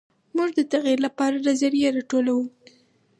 موږ د تغیر لپاره نظریې راټولوو.